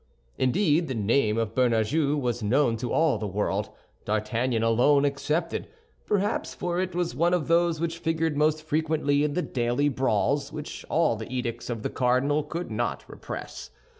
Indeed, the name of Bernajoux was known to all the world, D'Artagnan alone excepted, perhaps; for it was one of those which figured most frequently in the daily brawls which all the edicts of the cardinal could not repress.